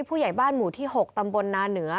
ผู้ใหญ่บ้านหมู่ที่๖ตำบลนาเหนือ